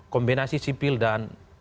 kombinasi sipil dan